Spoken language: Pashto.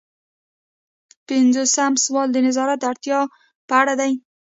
پنځوسم سوال د نظارت د اړتیا په اړه دی.